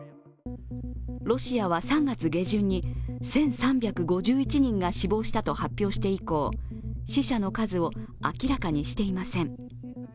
ロシアは３月下旬に１３５１人が死亡したと発表して以降、死者の数を明らかにしていません。